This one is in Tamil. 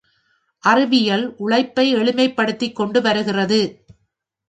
அறிவியல், உழைப்பை எளிமைப் படுத்திக் கொண்டு வருகிறது.